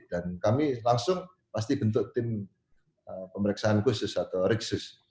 dan kami langsung pasti bentuk tim pemeriksaan khusus atau riksus